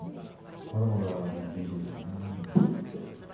まだまだ元気ですね。